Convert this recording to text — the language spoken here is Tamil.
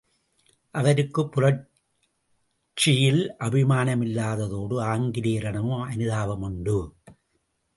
அவருக்குப் புரட்சியில் அபிமானமில்லாததோடு ஆங்கிலேயரிடமே அனுதாபமுண்டு.